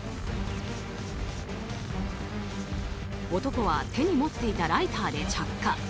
男は手に持っていたライターで着火。